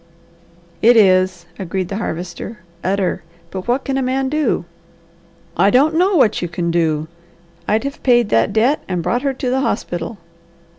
"It is," agreed the Harvester. "Utter! But what can a man do?" "I don't know what you can do! I'd have paid that debt and brought her to the hospital."